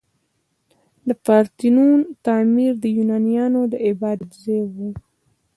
د پارتینون تعمیر د یونانیانو د عبادت ځای و.